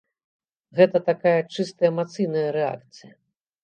Гэта такая чыста эмацыйная рэакцыя.